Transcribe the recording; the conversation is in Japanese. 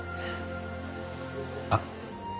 あっ！